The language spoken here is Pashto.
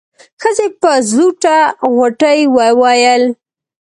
ښځې په زوټه غوټۍ وويل.